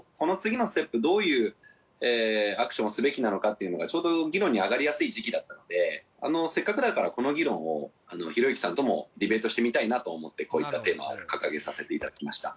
っていうのがちょうど議論に上がりやすい時期だったのでせっかくだからこの議論をひろゆきさんともディベートしてみたいなと思ってこういったテーマを掲げさせていただきました。